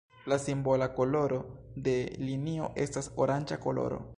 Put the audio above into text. La simbola koloro de linio estas oranĝa koloro.